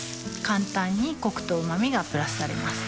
簡単にコクとうま味がプラスされます